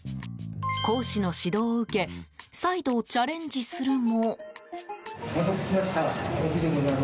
講師の指導を受け再度チャレンジするも。